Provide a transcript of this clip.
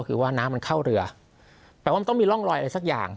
คือว่าน้ำมันเข้าเรือแปลว่ามันต้องมีร่องรอยอะไรสักอย่าง